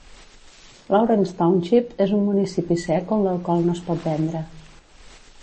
Lawrence Township és un municipi sec on l'alcohol no es pot vendre.